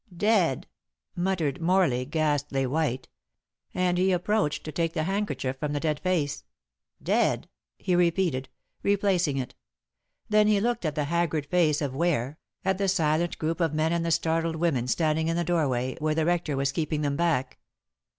"Dead!" muttered Morley, ghastly white. And he approached to take the handkerchief from the dead face. "Dead!" he repeated, replacing it. Then he looked at the haggard face of Ware, at the silent group of men and the startled women standing in the doorway, where the rector was keeping them back.